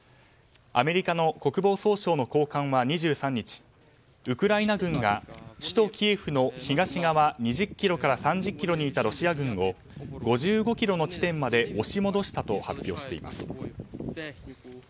アメリカの国防総省の高官は２３日ウクライナ軍が首都キエフの東側２０ｋｍから３０ｋｍにいたロシア軍を５５ｋｍの地点まで押し戻したと発表しています。